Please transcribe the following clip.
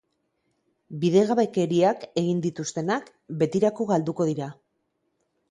Bidegabekeriak egin dituztenak, betirako galduko dira.